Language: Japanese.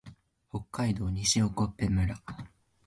北海道西興部村